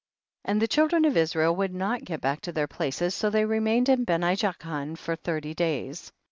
4. And the children of Israel would not get back to their places, so they remained in Beni Jaakon for thirty days.